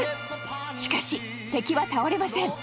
しかし敵は倒れません。